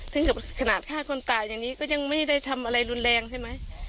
ซึ่งขนาดฆ่าคนตายอย่างนี้ก็ยังไม่ได้ทำอะไรรุนแรงใช่ไหม